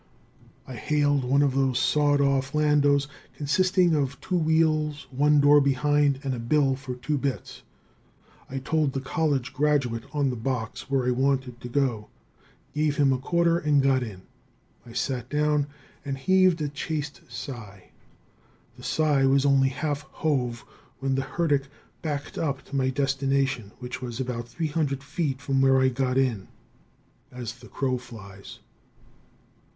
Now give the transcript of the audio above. I hailed one of those sawed off landaus, consisting of two wheels, one door behind, and a bill for two bits. I told the college graduate on the box where I wanted to go, gave him a quarter and got in. I sat down and heaved a chaste sigh. The sigh was only half hove when the herdic backed up to my destination, which was about 300 feet from where I got in, as the crow flies.